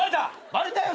バレたよ